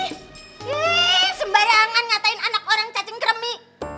ih sembarangan ngatain anak orang cacing kremi